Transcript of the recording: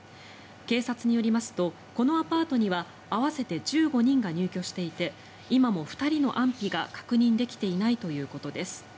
警察によりますとこのアパートには合わせて１５人が入居していて今も２人の安否が確認できていないということです。